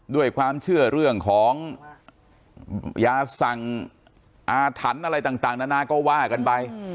ด้วยความเชื่อเรื่องของยาสั่งอาถรรพ์อะไรต่างนานาก็ว่ากันไป